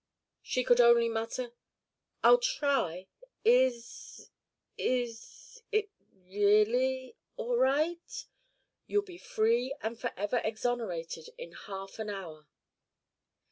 She could only mutter, "I'll try. Is is it really all right?" "You'll be free and for ever exonerated in half an hour."